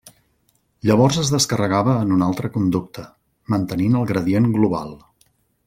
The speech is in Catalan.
Llavors es descarregava en un altre conducte; mantenint el gradient global.